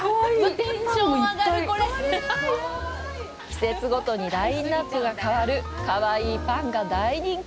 季節ごとにラインナップが変わるかわいいパンが大人気！